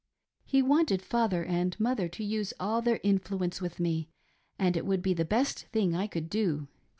He wanted father and mother to use all their influence with me, as it would be the best thing I could do.